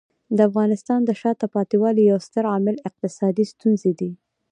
د افغانستان د شاته پاتې والي یو ستر عامل اقتصادي ستونزې دي.